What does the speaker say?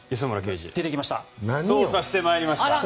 捜査してまいりました。